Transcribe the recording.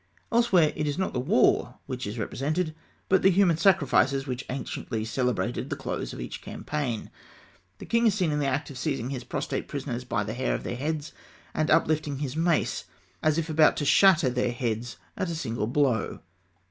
Elsewhere, it is not the war which is represented, but the human sacrifices which anciently celebrated the close of each campaign. The king is seen in the act of seizing his prostrate prisoners by the hair of their heads, and uplifting his mace as if about to shatter their heads at a single blow.